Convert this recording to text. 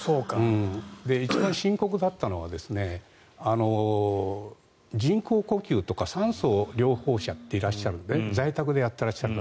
一番深刻だったのは人工呼吸とか酸素療法者っていらっしゃるんで在宅でやってらっしゃる方。